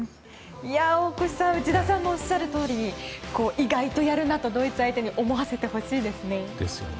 大越さん内田さんのおっしゃるとおり意外とやるなとドイツ相手に思わせてほしいですね。